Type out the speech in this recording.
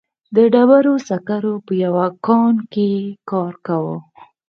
د ډبرو سکرو په یوه کان کې کار کاوه.